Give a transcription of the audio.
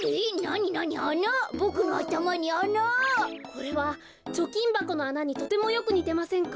これはちょきんばこのあなにとてもよくにてませんか？